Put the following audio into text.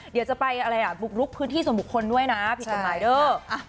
เดี๋ยวจะไปบุกลุกพื้นที่ส่วนบุคคลด้วยนะพี่ออมไลเดอร์